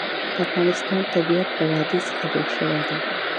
د افغانستان طبیعت له وادي څخه جوړ شوی دی.